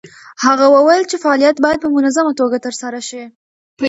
هغه وویل چې فعالیت باید په منظمه توګه ترسره شي.